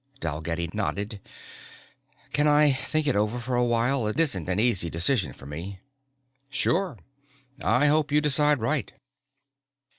Dalgetty nodded. "Can I think it over for awhile? It isn't an easy decision for me." "Sure. I hope you decide right."